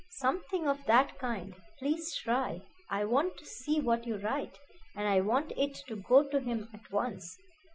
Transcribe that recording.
"Something of that kind. Please try. I want to see what you write, and I want it to go to him at once.